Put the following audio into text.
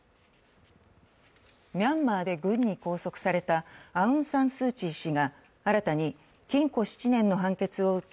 ミャンマーで軍に拘束されたアウン・サン・スー・チー氏が新たに禁錮７年の判決を受け